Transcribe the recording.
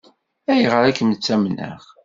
Ayɣer i kem-ttamneɣ?